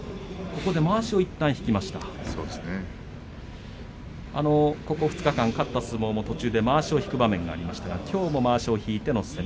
ここ２日間勝った相撲も途中でまわしを引く場面がありましたがきょうもまわしを引いての攻め